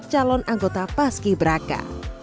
calon anggota paski braka